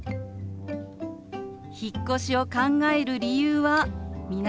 引っ越しを考える理由は皆さん